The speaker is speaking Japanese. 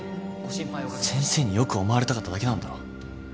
先生に良く思われたかっただけなんだろ。